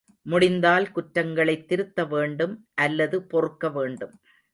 முடிந்தால் குற்றங்களைத் திருத்த வேண்டும் அல்லது பொறுக்க வேண்டும்.